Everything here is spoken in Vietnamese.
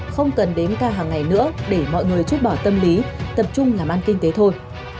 không cần đến ca hàng ngày nữa để mọi người chút bỏ tâm lý tập trung làm ăn kinh tế thôi